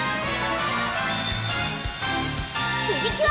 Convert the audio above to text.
プリキュア！